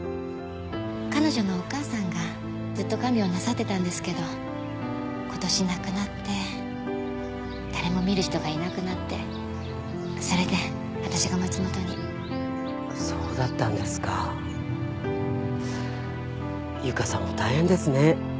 彼女のお母さんがずっと看病なさってたんですけど今年亡くなって誰も見る人がいなくなってそれで私が松本にそうだったんですか由香さんも大変ですね